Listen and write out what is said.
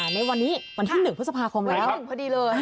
ในวันนี้วันที่หนึ่งพฤษภาคมแล้ววันที่หนึ่งพอดีเลย